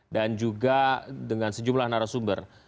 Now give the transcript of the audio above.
dan juga dengan sejumlah narasumber